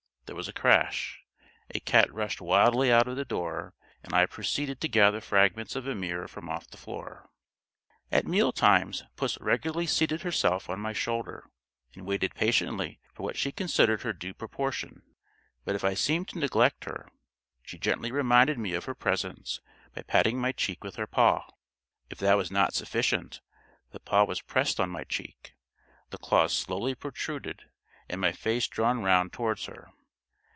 There was a crash. A cat rushed wildly out of the door, and I proceeded to gather fragments of a mirror from off the floor. At meal times, puss regularly seated herself on my shoulder, and waited patiently for what she considered her due proportion; but if I seemed to neglect her, she gently reminded me of her presence by patting my cheek with her paw. If that was not sufficient, the paw was pressed on my cheek, the claws slowly protruded, and my face drawn round towards her.